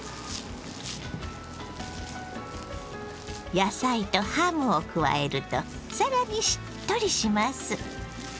野菜とハムを加えると更にしっとりします。